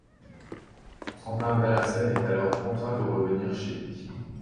Constantin Dalassène est alors contraint de revenir chez lui.